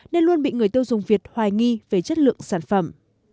nên luôn bị người tiêu dùng việt hoài nghi về chất lượng sản phẩm